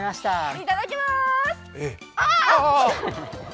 いただきまーす。